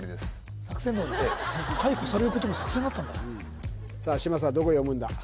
解雇されることも作戦だったんださあ嶋佐どこ読むんだ？